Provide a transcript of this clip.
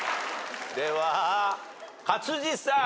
では勝地さん。